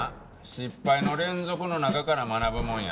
失敗の連続の中から学ぶもんや。